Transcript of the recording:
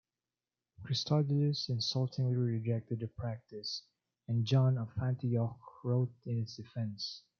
Christodulus insultingly rejected the practice, and John of Antioch wrote in its defence.